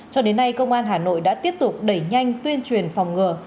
cho đến nay công an hà nội đã tiếp tục đẩy nhanh tuyên truyền phòng ngừa